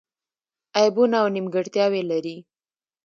عیبونه او نیمګړتیاوې لري.